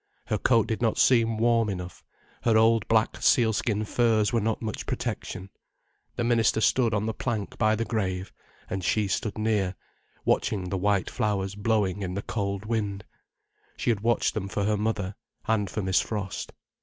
Her coat did not seem warm enough, her old black seal skin furs were not much protection. The minister stood on the plank by the grave, and she stood near, watching the white flowers blowing in the cold wind. She had watched them for her mother—and for Miss Frost.